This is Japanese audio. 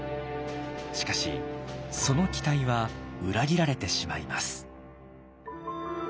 しかしその期待は裏切られてしまいます。